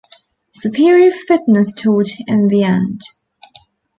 Superior fitness told in the end.